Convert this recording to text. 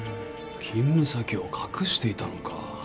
勤務先を隠していたのか。